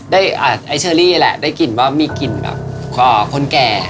ไอ้เชอรี่แหละได้กลิ่นว่ามีกลิ่นแบบคนแก่